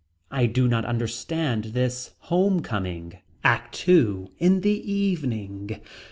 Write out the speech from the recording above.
I do not understand this home coming. ACT II. In the evening.